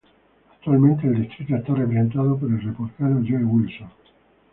Actualmente el distrito está representado por el Republicano Joe Wilson.